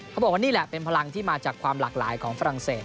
เขาบอกว่านี่แหละเป็นพลังที่มาจากความหลากหลายของฝรั่งเศส